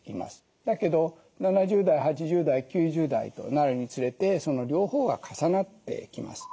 だけど７０代８０代９０代となるにつれてその両方が重なってきます。